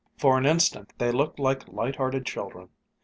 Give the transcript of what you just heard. For an instant they looked like light hearted children.